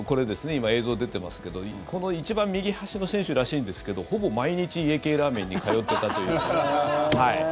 今、映像出てますけどこの一番右端の選手らしいんですけどほぼ毎日、家系ラーメンに通ってたという。